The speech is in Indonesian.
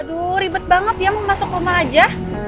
aduh ribet banget dia mau masuk rumah aja